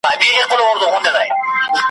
دا یو مسجد بل صومعي ته روان